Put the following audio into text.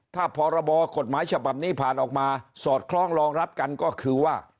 ถ้าพรบกฎหมายฉบับนี้ผ่านออกมาสอดคล้องรองรับกันก็คือว่า